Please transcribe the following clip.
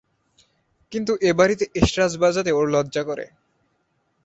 কিন্তু এ বাড়িতে এসরাজ বাজাতে ওর লজ্জা করে।